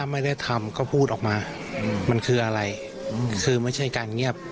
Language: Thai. มันคืออะไรคือไม่ใช่การเงียบ